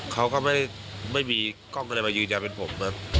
เขาก็ไม่มีกล้องก็เลยมายืนยันเป็นผมครับ